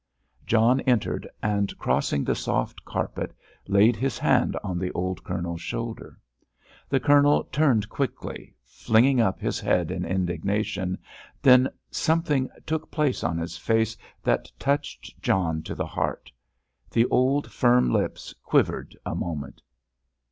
John entered, and crossing the soft carpet laid his hand on the old Colonel's shoulder. The Colonel turned quickly, flinging up his head in indignation, then something took place on his face that touched John to the heart. The old firm lips quivered a moment.